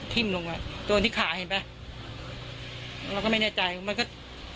ทิ่มลงอ่ะโดนที่ขาเห็นไหมเราก็ไม่แน่ใจมันก็